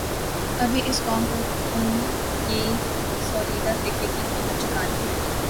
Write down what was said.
ابھی اس قوم کوان کی ژولیدہ فکری کی قیمت چکانی ہے۔